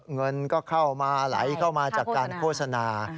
เงินก็เข้ามาไหลเข้ามาจากการโฆษณา